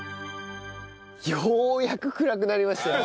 ようやく暗くなりましたよ。